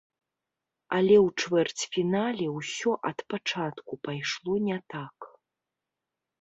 Але ў чвэрцьфінале ўсё ад пачатку пайшло не так.